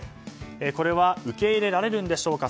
これは受け入れられるんでしょうか。